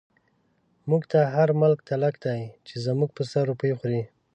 موږ ته هر ملک تلک دی، چی زموږ په سر روپۍ خوری